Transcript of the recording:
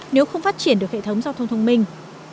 nếu không phát triển được hệ thống giao thông thông minh